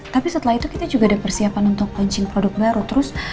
tapi setelah itu kita juga ada persiapan untuk engine produk baru